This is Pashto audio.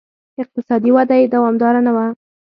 اقتصادي وده یې دوامداره نه وه.